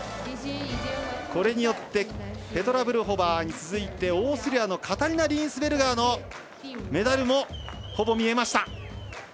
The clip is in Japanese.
これによってペトラ・ブルホバーに続いてオーストリアのカタリナ・リーンスベルガーのメダルもほぼ見えました。